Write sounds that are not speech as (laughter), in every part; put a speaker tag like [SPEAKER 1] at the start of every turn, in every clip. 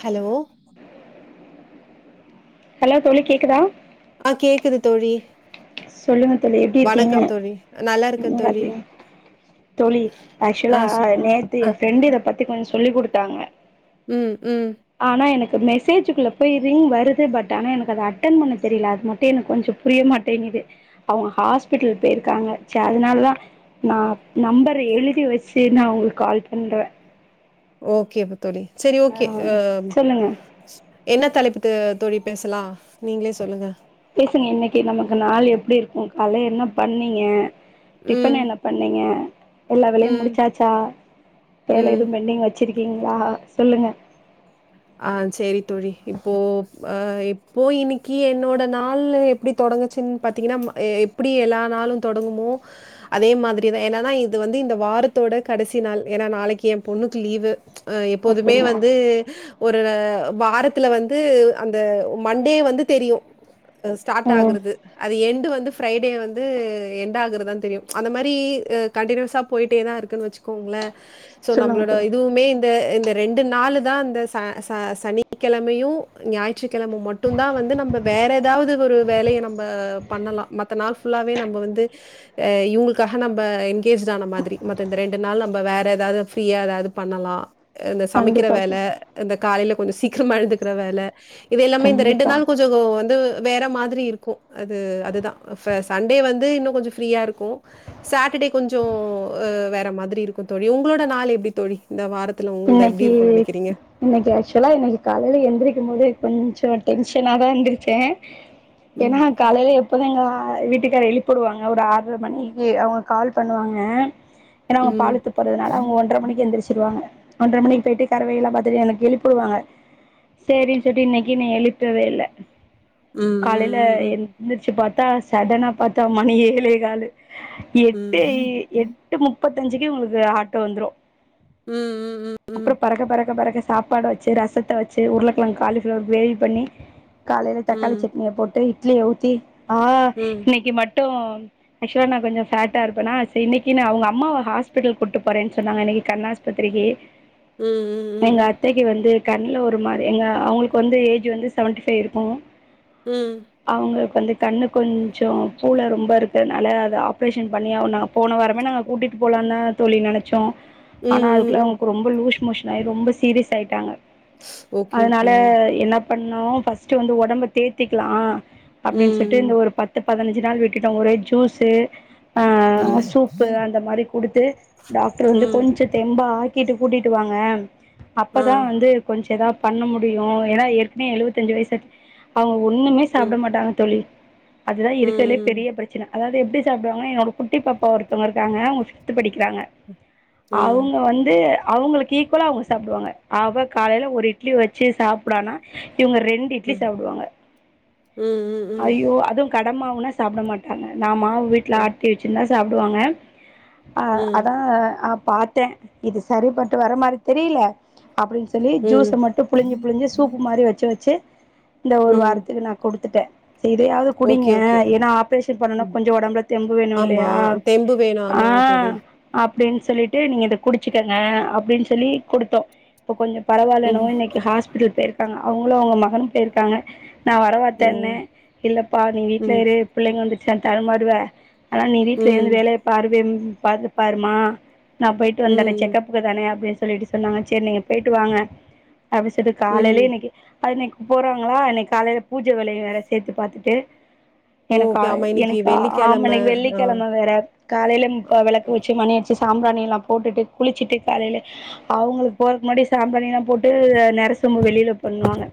[SPEAKER 1] Hello
[SPEAKER 2] hello தோழி கேக்குதா
[SPEAKER 1] ஆ கேக்குது தோழி
[SPEAKER 2] சொல்லுங்க தோழி எப்டி இருக்கீங்க
[SPEAKER 1] வணக்கம் தோழி. நல்லா இருக்கேன் தோழி.
[SPEAKER 2] (unintelligible) தோழி
[SPEAKER 1] ஆ
[SPEAKER 2] ஆக்சுவலா
[SPEAKER 1] சொ
[SPEAKER 2] நேத்து
[SPEAKER 1] ஆ
[SPEAKER 2] என் ஃப்ரெண்டு இத பத் பத்தி கொஞ் சொல்லி குடுத்தாங்க
[SPEAKER 1] ம் ம்
[SPEAKER 2] இப்போ மெசேஜுக்குள்ள போய் ரிங் வருது பட் ஆனா எனக்கு அத அட்டன் பண்ண தெரில அது மட்டு எனக்கு கொஞ்சோ புரியமாட்டேங்கிது அவங்க ஹாஸ்பிட்டல் பேயிருக்காங்க ச அதுனாலதா நா நம்பர் எழுதி வச்சு நா உங்களுக் கால் பண்றே
[SPEAKER 1] ஓகே தோழி சொி ஓகே
[SPEAKER 2] ஆ
[SPEAKER 1] அ
[SPEAKER 2] சொல்லுங்க
[SPEAKER 1] என்ன தலைப்பு து தோழி பேசலா நீங்ளே சொல்லுங்க
[SPEAKER 2] பேசுங்க இன்னக்கி நமக்கு நாள் எப்டி இருக்கு காலே என்ன பண்ணீங்க
[SPEAKER 1] ம்,
[SPEAKER 2] டிஃபன் என்ன பண்ணீங்க எல்லா வேலயும்
[SPEAKER 1] ம்,
[SPEAKER 2] முடுச்சாச்சா வேல
[SPEAKER 1] ம்.
[SPEAKER 2] எதுவும் பெண்டிங் வச்சிருக்கீங் லா சொல்லுங்க
[SPEAKER 1] ஆ சேரி தோழி இப்போ அ இப்போ இன்னக்கி என்னோட நாள் எப்டி தொடங்குச்சுன்னு பாத்தீங்கன்னா எப்டி எல்லா நாளு தொடங்குமோ அதே மாதிரிதா என்னானா இது வந்து இந்த வாரத்தோட கடசி நாள் ஏன்னா நாளக்கி எ பொண்ணுக்கு லீவு ச் அ எப்போதுமே
[SPEAKER 2] அப்டிங்களா
[SPEAKER 1] வந்து அ வாரத்துல வந்து அந்த மண்டே வந்து தெரியு அது ஸ்டார்ட்
[SPEAKER 2] ம்
[SPEAKER 1] ஆகுறது அது எண்டு வந்து ஃப்ரைடே வந்து எண்ட் ஆகுறதுதா தெரியும் ச் அந்த மாரி கண்டினியூஸா போய்ட்டே தா இருக்குனு வச்சுக்கோங்ளே சோ
[SPEAKER 2] சொல்லுங்க
[SPEAKER 1] நம்ளோட
[SPEAKER 2] தோழி
[SPEAKER 1] இதுவுமே இந்த இந்த ரெண்டு நாளு தா அந்த ச ச சனிக்கெழமயு ஞாயிற்றுக்கிழம மட்டு தா வந்து நம்ம வேற ஏதாவது ஒரு வேலய நம்ப பண்ணலா மத்த நாள் ஃபுல்லாவே நம்ம வந்து அ இவுங்களுக்காக நம்ப என்கேஜ்டான மாதிரி மத்த இந்த ரெண்டு நாள் நம்ம வேற ஏதாவது ஃப்ரீயா ஏதாவது பண்ணலா இந்த சமைக்கிற
[SPEAKER 2] கண்டிப்பா
[SPEAKER 1] வேல
[SPEAKER 2] தோழி,
[SPEAKER 1] இந்த காலேல கொஞ்ச சீக்கரமா எழுந்துக்கிற வேல இது எல்லாமே இந்த ரெண்டு
[SPEAKER 2] கண்டிப்பா
[SPEAKER 1] நாள் கொஞ்சோ வ வ வந்து வேற மாதிரி இருக்கு அது அதுதா சண்டே வந்து இன்னு கொஞ்சோ ஃப்ரீயா இருக்கு சாட்டர்டே கொஞ்சோ வேற மாதிரி இருக்கு தோழி உங்களோட நாள் எப்டி தோழி இந்த வாரத் த்துல ஒங்களுது எப்டி
[SPEAKER 2] இன்னைக்கு
[SPEAKER 1] இருக்குனு நெனைக்கிறீங்க
[SPEAKER 2] இன்னைக்கு ஆக்சுவலா இன்னைக்கு காலையில எந்திரிக்கும் போது கொஞ்சோ டென்ஷனாதான் எந்திருச்சேன் ஏனா
[SPEAKER 1] ம்.
[SPEAKER 2] காலையில இப்போதான் எங்க வீட்டுக்கார் எழுப்பிவிடுவாங்க ஒரு ஆறரை மணிக்கு அவங்க கால் பண்ணுவாங்க ஏன்னா அவங்க
[SPEAKER 1] ம்.
[SPEAKER 2] பாலூத்த போறதுனால அவங்க ஒன்றரை மணிக்கு எந்திச்சிருவாங்க ஒன்றரை மணிக்கு போயிட்டு கறவையெல்லாம் பார்த்துட்டு எனக்கு எழுப்பிவிடுவாங்க சேரின்னு சொல்லி இன்னைக்குனு எழுப்பவே இல்லை
[SPEAKER 1] ம்.
[SPEAKER 2] காலையில
[SPEAKER 1] ம்.
[SPEAKER 2] எந்திருச்சு பார்த்த பாத்தா சடன பார்த்தா மணி ஏழே காலு எட்டு
[SPEAKER 1] ம்.
[SPEAKER 2] எட்டு முப்ப முப்பத்தஞ்சுக்கே உங்களுக்கு ஆட்டோ வந்துரும்
[SPEAKER 1] ம்ம்ம்
[SPEAKER 2] அப்புறம் பறக்க பறக்க பறக்க சாப்பாட வச்சு ரசத்தை வச்சு உருளைக்கிழங்கு காலிஃபிளவர் வேவி பண்ணி காலையில தக்காளி
[SPEAKER 1] ம்.
[SPEAKER 2] சட்னியை போட்டு இட்லிய ஊத்தி ஆ
[SPEAKER 1] ம். ம்.
[SPEAKER 2] இன்னைக்கு மட்ட ட்டோம் ஆக்சுவலா நான் கொஞ்சம் ஃபேட்டா இருப்பேன்னா இன்னிக்கு நான் அவுங்க அம்மாவ ஹாஸ்பிட்டல் கூப்ட்டு போறேன்னு சொன்னாங்க இன்னிக்கு கண்ணாஸ்பத்திரிக்கு எங்க
[SPEAKER 1] ம்.
[SPEAKER 2] அத்தைக்கு வந்து கண் ஒரு மாரி எங்க அவுங்களுக்கு வந்து ஏஜ் வந்து செவன்டிி ஃபைவ் இருக்கோ
[SPEAKER 1] ம்
[SPEAKER 2] வந்து கண்ணு கொஞ் ச்சோ பூளை ரொம்ப இருக் இதனால் அது ஆப்ரேஷன் பண்ணியாவனு போன வாரமே நாங்க கூட்டிட்டு போலான்னா தோழி நெனைச்சோம்
[SPEAKER 1] ம். ம்.
[SPEAKER 2] ஆனா
[SPEAKER 1] ம்.
[SPEAKER 2] அதுக்குள்ள
[SPEAKER 1] ம்.
[SPEAKER 2] அவுங்கு ரொம் லூஷ் மோஷன் ஆயி ரொம்ப சீரியஸ் ஆயிட்டாங்க
[SPEAKER 1] ஓகே,
[SPEAKER 2] அதனால
[SPEAKER 1] ஓகே.
[SPEAKER 2] என்னா பண்ணோ ஃபஸ்ட்ட் வந்து ஒடம்ப தேத்திக்கலா
[SPEAKER 1] ம்.
[SPEAKER 2] அப்பிடின்னு சொல்ட்டு
[SPEAKER 1] ம்.
[SPEAKER 2] இந்த ஒரு பத்து பதினஞ்சு நாள் விட்டுட்டோ ஒரு ஜூஸு ஆ
[SPEAKER 1] ம்.
[SPEAKER 2] சூப்பு அந்த மாரி குடுத்து டாக்டர் வந்து
[SPEAKER 1] ம்.
[SPEAKER 2] கொஞ்சம் தெம்பா ஆய் கட்டு கூட்டிட்டு வாங்க
[SPEAKER 1] ஆ.
[SPEAKER 2] அப்பதா வந்து கொஞ்சம் எதாவ் பண்ண முடியும் ஏன்னா ஏற்கன எழுுவத்த அஞ்சு வயசு அவங்க ஒண்ணுமே சாப்ட
[SPEAKER 1] ம்.
[SPEAKER 2] மாட்டாங்க தோழி அதுதான் இருக்கதுலே
[SPEAKER 1] ம்.
[SPEAKER 2] பெரிய பிரச்சன அதாவது எப்டி சாப்டுவாங்க என்னோட குட்டி பாப்பா ஒருத்தவங்க இருக்காங்க அவங்க பிப்த் படிக்கிறாங்க
[SPEAKER 1] ம்.
[SPEAKER 2] அவுங்க வந்து அவங்களுக்கு ஈக்குவலா அவங்க சாப்டுவாங்க அவ காலையில ஒரு இட்லி வச்சி சாப்டானா இவங்க ரெண்டு
[SPEAKER 1] ம்.
[SPEAKER 2] இட்லி
[SPEAKER 1] ம்.
[SPEAKER 2] சாப்டுவாங்க
[SPEAKER 1] ம்.
[SPEAKER 2] ஐயோ அதுவு கடமாவுனா சாப்ட மாட்டாங்க நா மாவு வீட்ல
[SPEAKER 1] ம். ம்.
[SPEAKER 2] ஆட்டி வச்சிருந்தா சாப்டுவாங்க ஆ
[SPEAKER 1] ம்.
[SPEAKER 2] அதான் அப் பாத்த இது சரி பட்டு வர மாரி தெரில அப்டினு சொல்லி
[SPEAKER 1] ம்.
[SPEAKER 2] ஜூஸ்ச மட்டு புழிஞ்ச புழிஞ்சி சூப்பு மாரி வெச்சி வெச்சி இந்த ஒரு
[SPEAKER 1] ம்.
[SPEAKER 2] வாரத்துக்கு நா குடுத்துட்ட செ இதயாது
[SPEAKER 1] ஓகே,
[SPEAKER 2] குடிங்க
[SPEAKER 1] ஓகே.
[SPEAKER 2] ஏனா ஆப்ரேஷன் பண்ணனா
[SPEAKER 1] ம்.
[SPEAKER 2] கொஞ்சோ உடம்புல தெம்பு வேணு
[SPEAKER 1] ஆமா.
[SPEAKER 2] இல்லையா
[SPEAKER 1] தெம்பு வேணும்.
[SPEAKER 2] ஆ
[SPEAKER 1] ஆமாங்க தோழி.
[SPEAKER 2] அப் டின்னு சொல்லிட்டு நீங்க இத குடிச்சுட்டு இருக்கங்க அப்டின்னு சொல்லி கொடுத்தோ இப்ப கொஞ்சோ பரவாயில்லநோ
[SPEAKER 1] ம்.
[SPEAKER 2] இன்னிக்கு ஹாஸ்பிட்டல் போயிருக்காங்க அவங்க அவங்களும் அவங்க மகனும் போயிருக்காங்க நா வர வா
[SPEAKER 1] ஓ!
[SPEAKER 2] அத்தன இல்லப்பா நீ வீட்ல
[SPEAKER 1] ம்.
[SPEAKER 2] இரு பிள்ளைங்க வந்து (unintelligible) ஆனா நீ வீட்ல
[SPEAKER 1] ம்.
[SPEAKER 2] இருந்து வேலைய பாரு வே பாத்து பாருமா நா போயிட்டு வந்தற
[SPEAKER 1] ம்.
[SPEAKER 2] தானே அப்டின்னு சொல்லிட்டு சொன்னாங்க செரி நீங்க போயிட்டு வாங்க அது (unintelligible) காலயிலே
[SPEAKER 1] ம்.
[SPEAKER 2] இனிக்கி அது இன்னைக்கு போறாங்களா இன்னைக்கு காலையில பூஜை வேலையு வேற சேர்த்து பாத்திட்டு எனக்கா
[SPEAKER 1] ஓகே. ஆமா. இன்னைக்கு
[SPEAKER 2] எனக்கு ஆமா
[SPEAKER 1] வெள்ளிக்கிழமை.
[SPEAKER 2] இனைக்கு
[SPEAKER 1] ஆ.
[SPEAKER 2] வெள்ளிக்கிழமை வேற காலையில வெளக்கு வச்சி மணிய சாம்பிராணி எல்லா போட்டுட்டு குளிச்சுட்டு காலையில அவுங்களுக்கு போறதுக்கு முன்னாடி சாம்ரானிலா போட்டு நெர செம்பு வெளியில பண்ணுவாங்க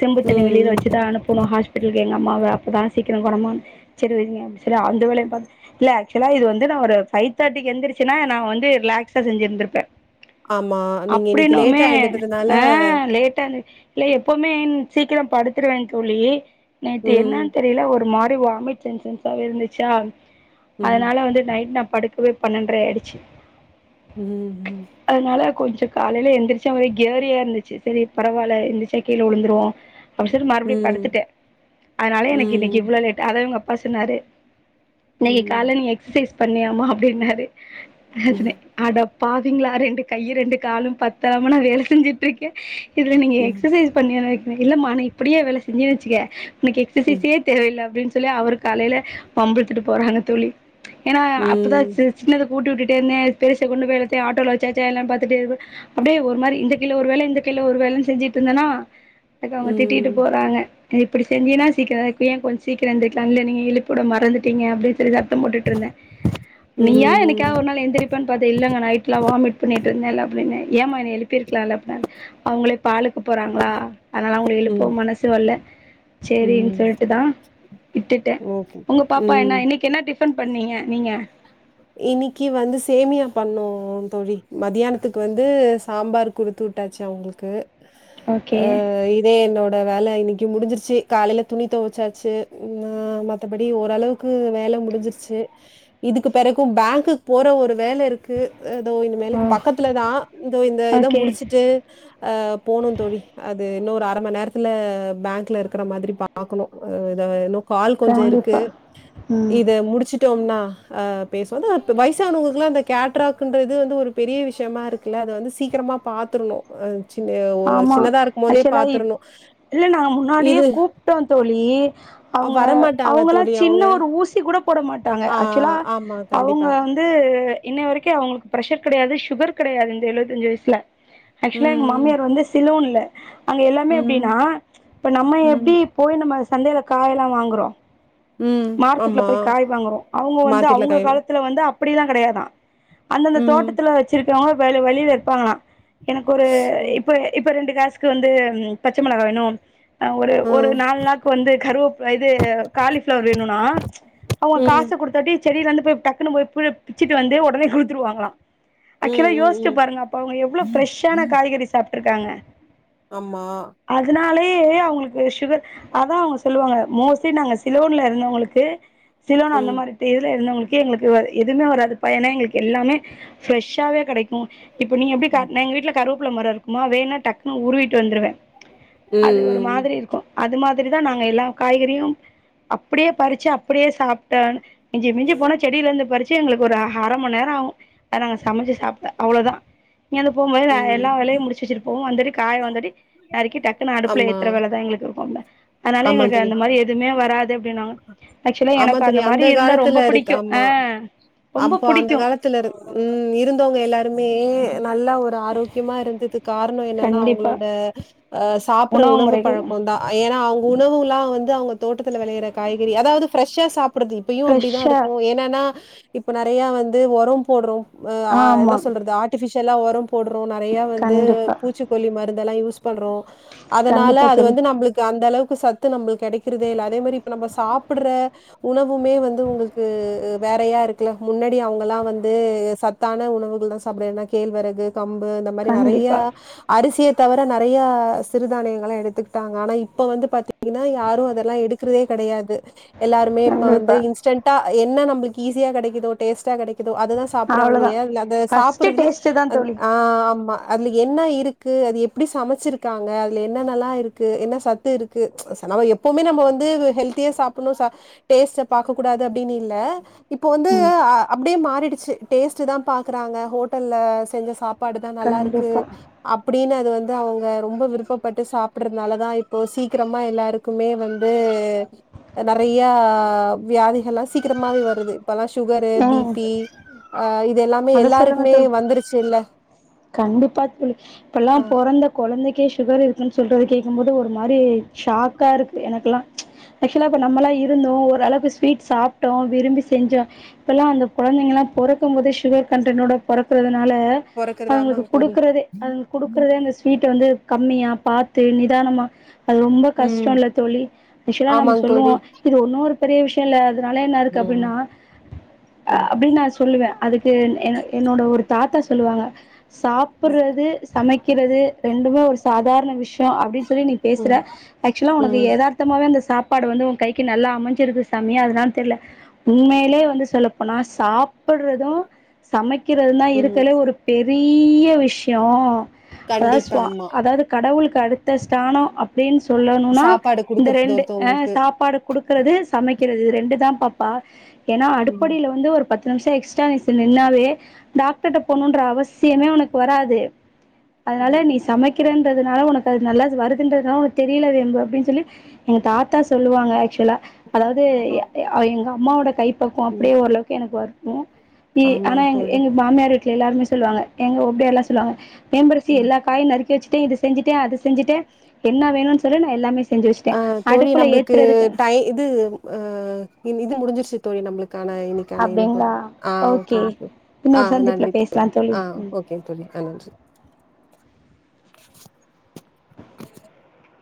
[SPEAKER 2] செம்பு தண்ணி வெளியில
[SPEAKER 1] ம். ம்.
[SPEAKER 2] வச்சு தா அனுப்பணு ஹாஸ்பிட்டல் எங்க அம்மாவ அப்பதா சீக்கரே கோனமாகு செரி வெய்யிங்க செரி அந்த வேலையு பார்த்துட்டு இல்ல ஆக்சுவலா ஒரு ஃபயுவு தடிகு எந்திரிச்சின்னா நா வந்து ரிலாக்ஸா செஞ்சிருந்திருப்ப
[SPEAKER 1] ஆமா. நீங்க இன்னைக்கு
[SPEAKER 2] அப்புடின்னோ
[SPEAKER 1] லேட்டா
[SPEAKER 2] மே
[SPEAKER 1] எழுந்துட்டதுனால
[SPEAKER 2] ஆ லேட்டா னு இல்ல எப்போமே ன் சிக்கிரோ படுத்துடுவேன் தோழி நேத்து
[SPEAKER 1] ம்.
[SPEAKER 2] என்னான் தெரில ஒரு மா ப்டி வாமிட் சென்சென்சாவே இருந்துச்சா
[SPEAKER 1] ம்.
[SPEAKER 2] அதனால வந்து நைட் நா படுக்வே பன்னராயாயிடுச்சு
[SPEAKER 1] ம் ம்
[SPEAKER 2] கொஞ்ச காலைல எந்திரிச்சா ஒரே கேரியாருந்துச்சு சரி பரவால்ல எந்திரிச்சா கீழ உழுந்துருவோம் அப்டிசொல்லி மறுபுடியு
[SPEAKER 1] ம்.
[SPEAKER 2] படுத்துட்டே அதனால எனக்கு இன்னைக்கி
[SPEAKER 1] ம். ம்.
[SPEAKER 2] இவ்ளோ லேட்டு அதா இவங்க பசுனாரு நீங்க
[SPEAKER 1] ம்.
[SPEAKER 2] காலைல் எக்ஸ்சைஸ் பண்ணியாமா அப்டின்னாரு நா சொன்னே
[SPEAKER 1] ம்.
[SPEAKER 2] அடப்பாவீங்ளா ரெண்டு கையு ரெண்டு காலும் பத்தாம நா வேல செஞ்சுட்ருக்கே இதுல நீங்க எகஸ்சசைஸ் பண்ணியன்னு வேற ம் இல்லமா நீ இப்டியே வேல செஞ்சன் வெச்சுக்க எனக்கு
[SPEAKER 1] ம். ம்.
[SPEAKER 2] எக்ஸ்சசைஸே தேவயில்ல அப்டின் ஸ் சொல்லி அவரு காலைல வம்புலுத்துட்டு போறாங்க தோழி ஏனா அப்பதா
[SPEAKER 1] ம்.
[SPEAKER 2] சி சின்னது ஊட்டிவுட்டுடேந்தே பெருச கொண்டுபோய் எல்லாத்தையும் ஆட்டோல வச்சாச்சே எல்லா பாத்துட்டே இருப்ப அப்டியே ஒரு மாரி இந்த கைல ஒரு வேல இந்த கைல ஒரு வேலன் செஞ்சிட்ருந்தனா அதுக்கு அவங்க திட்டிட்டு போறாங்க அ இப்டி செஞ்சீனா சீக்கிர (unintelligible) கொஞ்ச சீக்ரம் எந்திரிக்கிலா இல்ல நீ எழிப்புட மறந்துட்டீங்க அப்டினு சொல்லிதா த்தம் போட்டுட்ருந்த
[SPEAKER 1] ம்.
[SPEAKER 2] நீயா என்னைக்கா ஒரு நாள் எந்திரிப் அது இல்லங்க நைட்லா வாமிட் பண்ணிட்டு இருந்தேல்ல அப்டினே ஏமா என்ன எழுப்பிருக்கலால்ல அப்புனாரு அவங்ளே பாலுக்கு போறாங்ளா அதனால அவங்ள எழுப்பவு
[SPEAKER 1] ம்.
[SPEAKER 2] மனசு வல்ல சேரின்
[SPEAKER 1] ம்.
[SPEAKER 2] சொல்லிட்டுதா விட்டுட்ட
[SPEAKER 1] ஓகே.
[SPEAKER 2] உங்க பாப்பா
[SPEAKER 1] ம்.
[SPEAKER 2] என்ன இன்னைக்கு என்ன டிஃபன் பண்ணீங்க நீங்க
[SPEAKER 1] இன்னிக்கி வந்து சேமியா பண்ணோ தோழி மத்தியானத்துக்கு வந்து சாம்பார் குடுத்துவுட்டாச்சு அவுங்குளுக்கு
[SPEAKER 2] ஓகே
[SPEAKER 1] அ இதே நோ த வேல இன்னிக்கி முடிஞ்சிருச்சி காலைல துணி துவச்சாச்சு ம் ஆ மத்தபடி ஓரளவுக்கு வேல முடிஞ்சிருச்சி இதுக்குப் பெறகும் பேங்க்குக் போற ஒரு வேல இருக்கு ஏதோ இனிமேலு
[SPEAKER 2] ஓ
[SPEAKER 1] பக்கத்துலதா இதோ இந்த இத
[SPEAKER 2] ஓகே
[SPEAKER 1] முடிச்சுட்டு அ போனுந்தோழி அத் இது இன்னு ஒரு அர மண் நேரத்துல பேங்க்லருக்கற மாதிரி பாக்கணும் அ இது இன்னு பால் கொஞ்ச இருக்கு
[SPEAKER 2] கண்டிப்பா ம்
[SPEAKER 1] இத முடிச்சுட்டோம்னா ஆ பேசுவது இப்ப வைசானுவுகுலா இந்த கேட்ராக்குன்றது வந்து ஒரு பெரிய விஷ்யமா இருக்குல அத வந்து சீக்கிரமா பாத்துருணு அன்
[SPEAKER 2] ஆமா ஆக்சுலா இப் இல்ல நான் நா முன்னாடியே
[SPEAKER 1] இது
[SPEAKER 2] கூப்ட்டோ தோழி அவுங்க
[SPEAKER 1] வரமாட்டாங்க
[SPEAKER 2] அவங்கலா
[SPEAKER 1] தோழி அவங்க
[SPEAKER 2] சின்ன ஒரு ஊசி கூட போட மாட்டாங்க
[SPEAKER 1] ஆ
[SPEAKER 2] ஆக்சுலா
[SPEAKER 1] ஆமா
[SPEAKER 2] அவுங்க
[SPEAKER 1] கண்டிப்பா.
[SPEAKER 2] வந்து இன்ன வரைக்கு அவுங்ளுக்கு ப்ரஷர் கெடயாது சுகரு கெடயாது இந்த எழுவதஞ்சு வய்ஸ்ல ஆக்சுலா எங்கு
[SPEAKER 1] ம்,
[SPEAKER 2] மாமியார் திலு இல்ல அங்க எல்லாமே
[SPEAKER 1] ம்,
[SPEAKER 2] எப்டினா
[SPEAKER 1] ம்,
[SPEAKER 2] இப்ப நம்ம
[SPEAKER 1] ம்,
[SPEAKER 2] எப்டி போய் நம்ம சந்தேல காய் எல்லா வாங்குறோ
[SPEAKER 1] ம்.
[SPEAKER 2] மார்க்கெட்ல
[SPEAKER 1] ஆமா.
[SPEAKER 2] போய் காய் வாங்குறோ அவுங்க வந்து
[SPEAKER 1] மார்க்கெட்ல
[SPEAKER 2] அவுங்க
[SPEAKER 1] காய்
[SPEAKER 2] காலத்துல வந்து அப்பிடிலா கெடயாதா அந்தந்த
[SPEAKER 1] ம்,
[SPEAKER 2] தோட்டத்துல வச்சிருக்றவுங்க வேலு வழில இருப்பாங்களா எனக்கு ஒரு
[SPEAKER 1] ம்,
[SPEAKER 2] இப்ப இப்ப ரெண்டு காஸ் க்கு வந்து பச்ச மொளகா வேணு அ ஒரு
[SPEAKER 1] ஆ,
[SPEAKER 2] ஒரு நால் நாக்கு வந்து கருவப்ல இது காலிஃப் ஃப்ளவர் வேணுனா அவுங்க காச
[SPEAKER 1] ம்,
[SPEAKER 2] குடுத்தாட்டி செடில இருந்து போய் டக்குன்னு மோய் பு பிச்சுட்டு வந்து ஒடனே குடுத்துருவாங்ளா
[SPEAKER 1] ம்,
[SPEAKER 2] அக்கில
[SPEAKER 1] ம்,
[SPEAKER 2] யோச்சு
[SPEAKER 1] ம்.
[SPEAKER 2] பாருங்க அப்ப அவுங்க எவ்வுளோ ஃபிரெஷ்ஷான காய்கறி சாப் ட்ருகாங்க
[SPEAKER 1] ஆமா
[SPEAKER 2] நாளே அவுங்குளுக்கு சுகர் அதா அவுங்க சொல்லுவாங்க மோஸி நாங்க சிலோன்ல இருந்தவுங்குளுக்கு சிலோன் அந்த
[SPEAKER 1] ம்.
[SPEAKER 2] மாரி த்தேல இருந்தவுங்ளுக் க்கு எங்ளுக்கு வேற எதும்மே வராது பயனா எங்ளுக்கு எல்லாமே ஃபிரெஷ்ஷாவே கெடைக்கு இப்ப நீ எப்டி
[SPEAKER 1] ம்.
[SPEAKER 2] காட்ன எங்கு வீட்ல கருவப் ப்ள மர இருக்குமா வேணா டக்குனு உருவிட்டு வந்துருவே
[SPEAKER 1] ம்,
[SPEAKER 2] அது ஒரு
[SPEAKER 1] ம்,
[SPEAKER 2] மாதிரி இருக்கு அது மாதிரிதா நாங்க எல்லா காய்கறியு அப்டியே பறிச்சு அப்டியே சாப்ட்டானு மிஞ்சி மிஞ்சி போனா செடில இருந்து பறிச் சு எங்ளுக்கு ஒரு அர ம நேராகு அத நாங்க சமச்சு சாப்ட அவுளோதா நீ அத போம்போது நா எல்லா வேலையு
[SPEAKER 1] ம்.
[SPEAKER 2] முடிச்சு வச்சுட்டு போவு அந்தடி காய வந்தடி நறுக்கி டக்குன்னு அடுப்புல
[SPEAKER 1] ஆமா.
[SPEAKER 2] ஏத்துற வேலதா எங்ளுக்கு இருக்கு அதுல அதுனால
[SPEAKER 1] ஆமா
[SPEAKER 2] எங்களுக்கு
[SPEAKER 1] தோழி.
[SPEAKER 2] அந்த மாரி எதும்மே வர்
[SPEAKER 1] ஆமா தோழி
[SPEAKER 2] மாரி
[SPEAKER 1] அந்த
[SPEAKER 2] இருந்தா ரொம்ப
[SPEAKER 1] காலத்துல இருக்கு
[SPEAKER 2] புடிக்கு ஆ
[SPEAKER 1] ஆமா
[SPEAKER 2] ரொம்ப
[SPEAKER 1] அப்போ அந்த
[SPEAKER 2] புடிக்கு
[SPEAKER 1] காலத்துல இரு ம் இருந்தவ்ங்க எல்லாருமே நல்லா ஒரு ஆரோக்கியமா இருந்தது கார்ணோ என்னன்னா
[SPEAKER 2] கண்டிப்பா
[SPEAKER 1] அவுங்குளோட அ சாப்புறு உணவு பழக்கோந்தா ஏனா அவு உணவுலா வந்து அங்க காய்கறி அதாவதுஃப்ெஷா சா அப்படுது இப்பயும் அப்படிதான்
[SPEAKER 2] ஃப்ரெஷ்ஷா
[SPEAKER 1] இருக்கும் ஏனன்னா இப்ப நிறைய வந்து உரம் போட்றோம் ஆ என்ன
[SPEAKER 2] ஆமா
[SPEAKER 1] சொல்றது ஆர்டிபிஷியல் எல்லாம் ஒரும் போடுறோம் நிறைய வந்து
[SPEAKER 2] கண்டிப்பா
[SPEAKER 1] பூச்சிக்கொல்லி மருந்துெல்லாம் யூஸ் பண்றோம் அதனால
[SPEAKER 2] கண்டிப்பா
[SPEAKER 1] அது
[SPEAKER 2] தோழி
[SPEAKER 1] வந்து நம்மளுக்கு அந்த அளவுக்கு சத்து நம்ம கிடைக்கிறதுே இல்ல அதே மாதிரி நம்ம சாப்பிடுற உணவுமே வந்து உங்களுக்கு வேறையா இருக்குல முன்னாடி அவங்கல்லாம் வந்து சத்தான உணவுகள் தான் சாப்பிடனா கேழ்விறகு கம்பு இந்த மாதிரி நிறைய
[SPEAKER 2] கண்டிப்பா
[SPEAKER 1] அரிசிய தவிர நறைய சிறுதானியங்களை எடுத்துக்கிட்டாங்க ஆனா இப்ப வந்து பாத்த அப்பன்னா யாரும் அதெல்லாம் எடு இரு கிடையாது எல்லாருமே இப்ப வந்து
[SPEAKER 2] கண்டிப்பா
[SPEAKER 1] இன்ஸ்டன்டா என்ன நம்மளுக்கு ஈஸியா கிடைக்குதோ டேஸ்டா கிடைக் த அததுதான் சாப்படுறாங்கள
[SPEAKER 2] அவ்ளோதா
[SPEAKER 1] இல்லைய அத
[SPEAKER 2] ஃபஸ்ட்டு
[SPEAKER 1] சாப்படுறதுல
[SPEAKER 2] டேஸ்ட்டு தா தோழி
[SPEAKER 1] ஆ ஆமா அதுல என்ன இருக்கு அது எப்படி சமைச்சிருக்காங்க அதுல என்ன நல்லா இருக்கு என்ன சத்து இருக்கு நம் எப்பவுமே நம்ம வந்து ஹெல்தியா சாப்டணும் டேஸ்ட் பாக்க கூடாது அப்படின்னு இல்ல இப்போ வந்து அப்படியே மாறி டுச்சு டேஸ்ட் தான் பாக்குறாங்க ஹோட்டல்லல செஞ்ச சாப் பாடு தான் நல்லா இருக்கு
[SPEAKER 2] கண்டிப்பா
[SPEAKER 1] அப்படின்னு அது வந்து அவங்க ரொம்ப விருப்பப்பட்டு சாப்பிடறதுனால தான் இப்போது சீக்கிரமாக எல்லாருக்குமே வந்து நறையா வியாதிகள்ல்லாம் சீக்கிரமாவே வருது இப்பல்லாம் சுகரு
[SPEAKER 2] ம்
[SPEAKER 1] பிபி ஆ இதெல்லா
[SPEAKER 2] அத சொல்லுங்க
[SPEAKER 1] எல்லாருக்குமே
[SPEAKER 2] தோழி
[SPEAKER 1] வந்துருச்சு இல்ல
[SPEAKER 2] கண்டிப்பா தோழி
[SPEAKER 1] அ
[SPEAKER 2] இப்பல்லாம் பொறந்த குழந்தைக்கே சுகர் இருக்குன்னு சொல்றது கே்கும் போது ஒரு மாரி ஷாக்கா இருக்கு எனக்குெல்லா ஆக்சுவலாப்ப நம்மளாம் இருந்தோம்ஓ அளவுக்கு ஸ்வீட் சாப்பிட்டோம் விரும்பி செஞ்சோம் இப்பெல்லாம் அந்த குழந்தைங்க எல்லாம் பறக்கும் போது சுகர் கண்டன்டோடறக்கறத அதனால
[SPEAKER 1] பொறக்குறது
[SPEAKER 2] அவதுங்களுக்கு
[SPEAKER 1] ஆமாங்க தோழி.
[SPEAKER 2] குடுக்குறதே அதுங்களுக்கு குடுக்குறதே அந்த ஸ்வீட் வந்து கம்மியா பார்த்து நிதானமா அது ரொம்ப
[SPEAKER 1] ம்.
[SPEAKER 2] கஷ்ட இல்ல தோழி ஆக்சுவலா நம்ம
[SPEAKER 1] ஆமாங்க தோழி.
[SPEAKER 2] சொல்லுவோம் இது ஒன்னொரு பெரிய விஷயம் இல்லாது அதனால என்ன இருக்கு
[SPEAKER 1] ம்.
[SPEAKER 2] அப்டின்னா அ
[SPEAKER 1] ம்.
[SPEAKER 2] அப்டின் ந சொல்லுவ அதுக்கு என் என்னோட ஒரு தாத்தா சொல்லுவாங்க அ
[SPEAKER 1] ம்.
[SPEAKER 2] சாப்றது சமைக்கிறது ரெண் ரெண்டுமே ஒரு சாதாரண விஷ டா அப்டின் சொல்லி நீ பேசுற
[SPEAKER 1] ம்.
[SPEAKER 2] ஆக்சுவலா உனக்கு
[SPEAKER 1] ம்.
[SPEAKER 2] எதார்த்தமாவே அந்த சாப் ப்பாடு வந்து உன் கைக்கு நல்லா அமஞ்சிருது சாமி அதனால தெரியல உண்மையிலே வந்து சொல்லப்போனா சாப் ப்படுறது சமைக்கிறது தா
[SPEAKER 1] ம்
[SPEAKER 2] இருக்கலே ஒரு பெரிய விஷ்யோ அதாவது
[SPEAKER 1] கண்டிப்பா
[SPEAKER 2] சுவா
[SPEAKER 1] ஆமா
[SPEAKER 2] அதாவது கடவுளுக்கு அடுத்த ஸ்ட்ரானோ அப் அப்டின்னு சொல்லணும்னா
[SPEAKER 1] சாப்பாடு
[SPEAKER 2] இந்த
[SPEAKER 1] குடுக்குறது
[SPEAKER 2] ரெண்டு அ
[SPEAKER 1] ஒருத்தவங்களுக்கு
[SPEAKER 2] சாப்பாடு குடுக்கறது சமைக் கிறது ரெண்டு தா பாப்பா ஏன்னா
[SPEAKER 1] ம்
[SPEAKER 2] அடிப்படில வந்து ஒரு பத் தம்சேக் எக்ஸ்ட்ரா நிங் சென்ன என்னாவே டாக்டர்ட போனுன்றா அவ சியமே உனக்கு வராது அதனால
[SPEAKER 1] ம்
[SPEAKER 2] நீ சமைக் இருக்கின்றனால உனக்கு அது நல்லது வருதின்றநோர் தெரில வேம்பு அப்டின் சொல்லி எங்க தாத்தா சொல்லுவாங்க சொல்லா அதாவது ய ய அவ எங்க அப் அம்மா ஓட கை பக்குவம் அப்டியே ஓரளவுக்கு எனக்கு வர்னு பி ஆனா
[SPEAKER 1] ஆமாங்க
[SPEAKER 2] எங்
[SPEAKER 1] தோழி
[SPEAKER 2] எங்க மாமியாரு எல்லாருமே சொல்லுவாங்க எங்க ஒப்டியால்லா சொல்லுவாங்க மேம்பரிசி
[SPEAKER 1] ம்
[SPEAKER 2] எல்லா காயு நறுக்கி வச்சிட்டு இது செஞ்சிட்டே அது செஞ்சிட்டே என்ன வேணும்னு சொல்லு நா எல்லாமே செஞ்சு
[SPEAKER 1] ஆ
[SPEAKER 2] வச்சுட்டேன்
[SPEAKER 1] தோழி
[SPEAKER 2] அடுப்புல
[SPEAKER 1] நம்மளுக்கு
[SPEAKER 2] ஏத்துறதுக்கு
[SPEAKER 1] டை இது அ இது முடிஞ்சிருச்சு தோழி நம்மளுக் கான இன்னிக்கான இனிப்பு
[SPEAKER 2] அப்டிங்களா
[SPEAKER 1] ஆ ஓகே ஆ
[SPEAKER 2] இன்னொரு சந்திப்புல
[SPEAKER 1] நன்றி
[SPEAKER 2] பேசலா
[SPEAKER 1] தோழி ஆ
[SPEAKER 2] ம்
[SPEAKER 1] ஓகே தோழி ஆ நன்றி (inaudible)